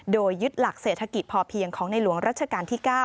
โดยยึดหลักเศรษฐกิจพอเพียงของในหลวงรัชกาลที่๙